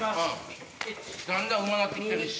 だんだんうまなって来てるし。